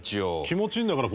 気持ちいいんだから！